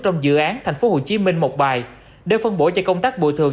trong dự án thành phố hồ chí minh một bài đều phân bổ cho công tác bội thường